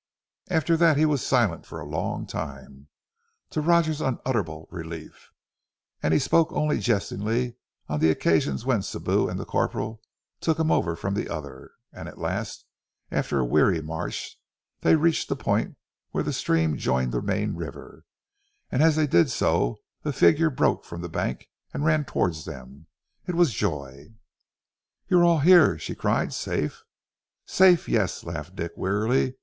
After that he was silent for a long time, to Roger's unutterable relief, and he spoke only jestingly on the occasions when Sibou and the corporal took him over from the other, and at last, after a weary march, they reached the point where the stream joined the main river, and as they did so a figure broke from the bank and ran towards them. It was Joy. "You are all here?" she cried. "Safe?" "Safe! Yes," laughed Dick weakly.